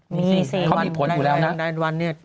มีสิเขามีผลอยู่แล้วนะ